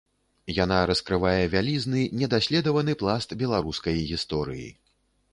Яна раскрывае вялізны недаследаваны пласт беларускай гісторыі.